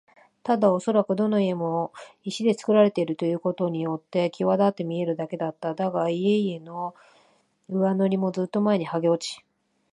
ただおそらくどの家も石でつくられているということによってきわだって見えるだけだった。だが、家々の上塗りもずっと前にはげ落ち、